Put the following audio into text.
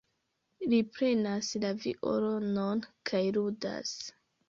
Li prenas la violonon kaj ludas.